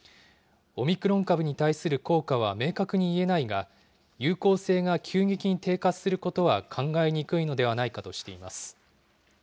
オミクロン株に対する効果は明確に言えないが、有効性が急激に低下することは考えにくいのではないかとしています。